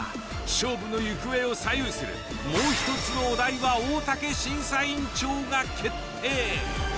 勝負の行方を左右するもう１つのお題は大竹審査委員長が決定。